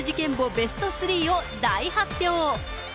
ベスト３を大発表。